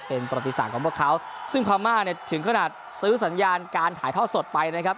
เป็นประติศาสตร์ของพวกเขาซึ่งพม่าเนี่ยถึงขนาดซื้อสัญญาณการถ่ายทอดสดไปนะครับ